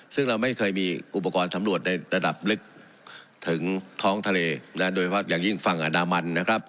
ซึ่งเราไม่เคยมีอุปกรณ์สำรวจในระดับลึกถึงท้องทะเลโดยเฉพาะอย่างยิ่งฝั่งอันดามันนะครับ